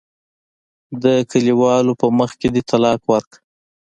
د کلیوالو په مخ کې دې طلاق ورکړه.